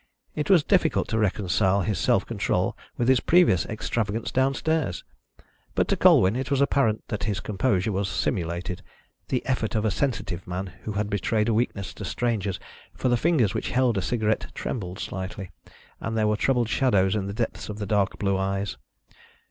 It was difficult to reconcile his self control with his previous extravagance downstairs. But to Colwyn it was apparent that his composure was simulated, the effort of a sensitive man who had betrayed a weakness to strangers, for the fingers which held a cigarette trembled slightly, and there were troubled shadows in the depths of the dark blue eyes.